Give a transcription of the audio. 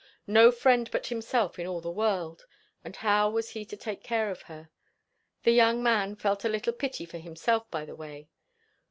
No friend but himself in all the world; and how was he to take care of her? The young man felt a little pity for himself by the way.